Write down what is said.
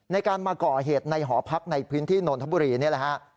ในการมาก่อเหตุในหอพักในพื้นที่นนทบุรีนี่แหละฮะ